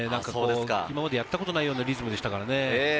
今までやったことないようなリズムでしたからね。